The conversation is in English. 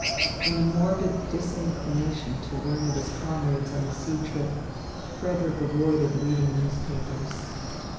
In a morbid disinclination to learn of his comrades on the sea trip, Frederick avoided reading newspapers.